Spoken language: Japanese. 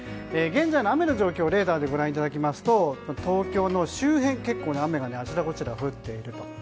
現在の雨の状況をレーダーでご覧いただくと東京の周辺結構、雨があちらこちらで降っているという。